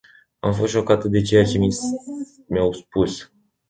Am fost șocată de ceea ce mi-au spus.